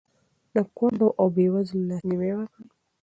د کونډو او بېوزلو لاسنیوی وکړئ.